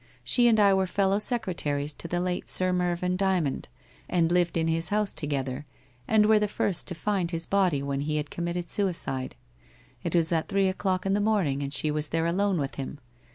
She and I were fellow secretaries to the late Sir Mervyn Dymond, and lived in his house together, and were the first to find his body when he had committed suicide. It was at three o'clock in the morning and she was there alone with him.